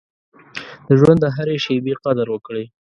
د ژوند د هرې شېبې قدر وکړئ.